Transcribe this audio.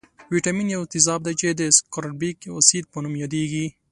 ویتامین یو تیزاب دی چې د سکاربیک اسید په نوم یادیږي.